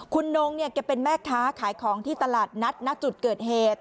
คุณนงเนี่ยแกเป็นแม่ค้าขายของที่ตลาดนัดณจุดเกิดเหตุ